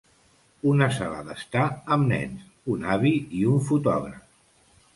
Una sala d'estar amb nens, un avi i un fotògraf.